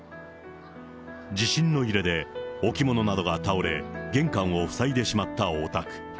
地震の揺れで置物などが倒れ、玄関を塞いでしまったお宅。